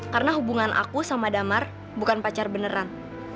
karena hubungan aku sama damar bukan pacar beneran